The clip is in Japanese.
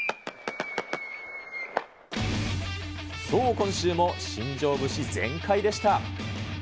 そう、今週も新庄節全開でした。